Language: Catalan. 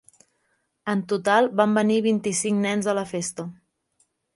En total van venir vint-i-cinc nens a la festa.